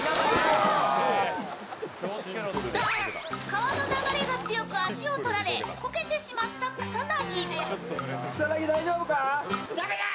川の流れが強く足を取られこけてしまった草薙。